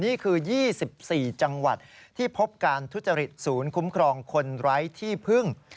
นี่คือ๒๔จังหวัดที่พบการทุจริตศูนย์คุ้มครองคนไร้ที่พึ่ง